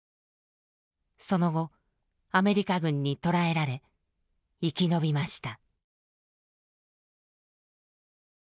その後アメリカ軍に捕らえられ生き延びました。